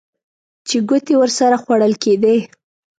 چې ګوتې ورسره خوړل کېدې.